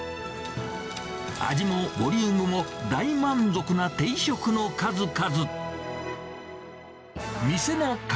味もボリュームも大満足な定食の数々。